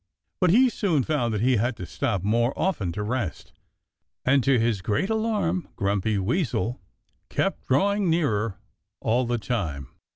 But he soon found that he had to stop more often to rest. And to his great alarm Grumpy Weasel kept drawing nearer all the time.